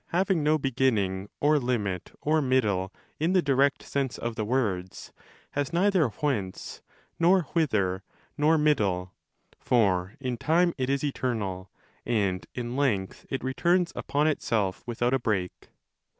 6 2885 ginning or limit or middle in the direct sense of the words, has neither whence nor whither nor middle: for in time it is eternal, and in length it returns upon itself without a 25 break.